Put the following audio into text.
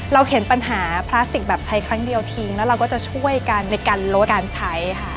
เห็นปัญหาพลาสติกแบบใช้ครั้งเดียวทิ้งแล้วเราก็จะช่วยกันในการลดการใช้ค่ะ